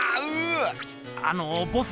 あのボス。